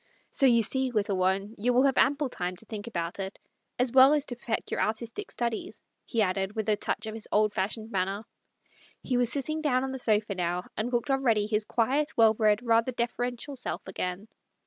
So you see, little one, you will have ample time to think about it, as well as to perfect your artistic studies," he added, with a touch MARTS LOVER. 81 of his old fashioned manner. He was sitting down on the sofa now, and looked already his quiet, well bred, rather deferential self again.